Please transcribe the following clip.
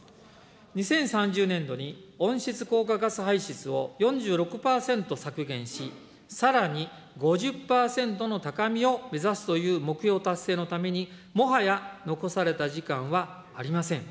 ２０３０年度に温室効果ガス排出を４６％削減し、さらに５０％の高みを目指すという目標達成のために、もはや残された時間はありません。